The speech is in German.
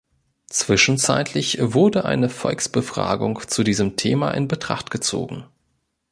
Zwischenzeitlich wurde eine Volksbefragung zu diesem Thema in Betracht gezogen.